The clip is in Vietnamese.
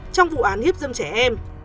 trong vụ án hiếp dâm trẻ em